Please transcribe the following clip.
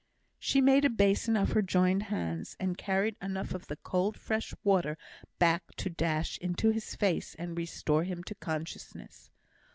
She made a basin of her joined hands, and carried enough of the cold fresh water back to dash into his face and restore him to consciousness.